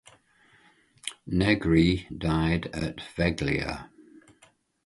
Negri died at Veglia.